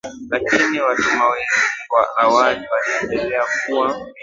Lakini watumwa wengi wa awali waliendelea kuwa